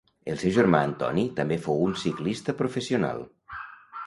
El seu germà Antoni també fou un ciclista professional.